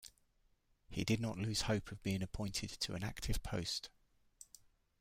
He did not lose hope of being appointed to an active post.